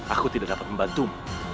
aku tidak dapat membantumu